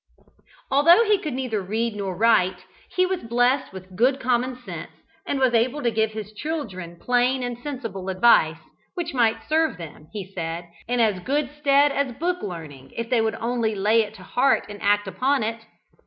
Although he could neither read nor write, he was blessed with good common sense, and was able to give his children plain and sensible advice, which might serve them, he said, in as good stead as book learning, if they would only lay it to heart and act upon it.